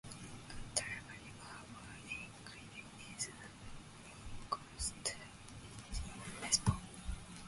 A delivery or ball in cricket is analogous to a "pitch" in baseball.